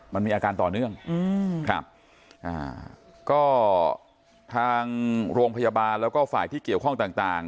มันมีอาการต่อเนื่องอืมครับอ่าก็ทางโรงพยาบาลแล้วก็ฝ่ายที่เกี่ยวข้องต่างต่าง